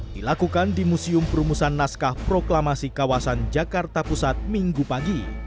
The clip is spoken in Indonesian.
dilakukan di museum perumusan naskah proklamasi kawasan jakarta pusat minggu pagi